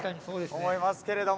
思いますけれども。